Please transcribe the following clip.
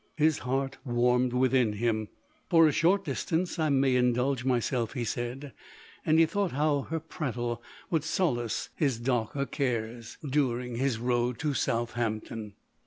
His heart warmed within him. " For a short distance I may indulge myself, 11 he said, and he thought how her prattle would solace his darker cares, LODORE. 171 during his road to Southampton.